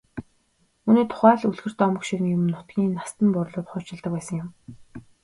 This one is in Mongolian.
Үүний тухай л үлгэр домог шиг юм нутгийн настан буурлууд хуучилдаг байсан юм.